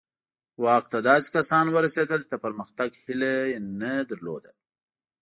واک ته داسې کسان ورسېدل چې د پرمختګ هیله یې نه لرله.